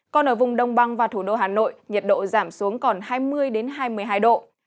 còn ở vùng đông băng và thủ đô hà nội nhiệt độ giảm xuống còn hai mươi hai mươi hai độ